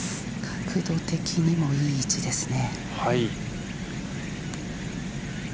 角度的にもいい位置ですね。